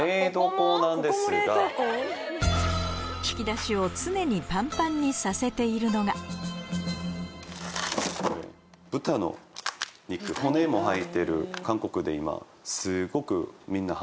引き出しを常にパンパンにさせているのが骨も入ってる。